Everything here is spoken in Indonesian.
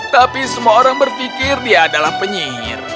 tapi semua orang berpikir dia adalah penyihir